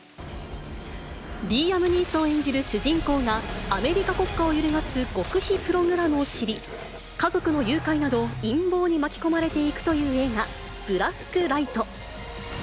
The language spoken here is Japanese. リーアム・ニーソン演じる主人公が、アメリカ国家を揺るがす極秘プログラムを知り、家族の誘拐など、陰謀に巻き込まれていくという映画、ブラックライト。